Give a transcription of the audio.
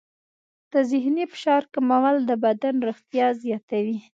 د ذهني فشار کمول د بدن روغتیا زیاتوي.